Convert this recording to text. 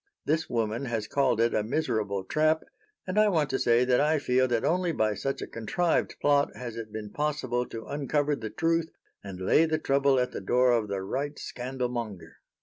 This woman has called it a miserable trap, and I want to say that I feel that only by such a contrived plot has it been possible to uncover the truth and lay the trouble at the door of the right scandal monger.